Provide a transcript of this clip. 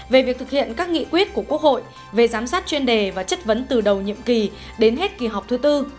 về việc thực hiện các nghị quyết của quốc hội về giám sát chuyên đề và chất vấn từ đầu nhiệm kỳ đến hết kỳ họp thứ tư